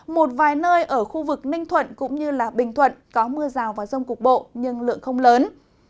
một vài nơi ở khu vực ninh thuận cũng như bình thuận có mưa rào và rông cục bộ nhưng lượng không lớn